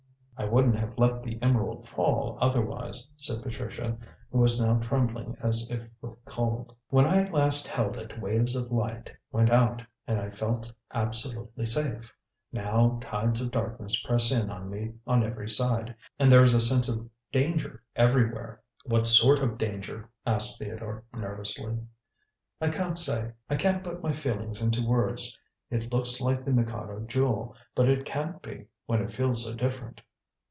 "I wouldn't have let the emerald fall otherwise," said Patricia, who was now trembling as if with cold. "When I last held it waves of light went out, and I felt absolutely safe. Now tides of darkness press in on me on every side, and there is a sense of danger everywhere." "What sort of danger?" asked Theodore nervously. "I can't say; I can't put my feelings into words. It looks like the Mikado Jewel, but it can't be, when it feels so different."